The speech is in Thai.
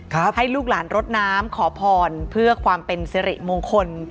ให้ลูกหลานรดน้ำขอพรเพื่อความเป็นสิริมงคล